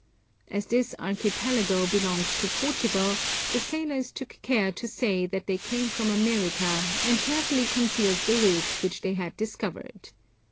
As this archipelago belonged to Portugal, the sailors took care to say that they came from America, and carefully concealed the route which they had discovered.